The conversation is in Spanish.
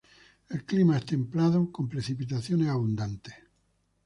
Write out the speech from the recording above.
El clima es templado con precipitaciones abundantes.